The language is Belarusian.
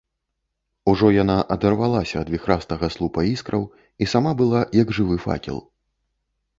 Ужо яна адарвалася ад віхрастага слупа іскраў і сама была, як жывы факел.